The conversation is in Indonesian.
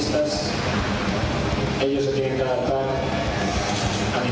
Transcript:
mereka harus mencari kemampuan untuk berpengalaman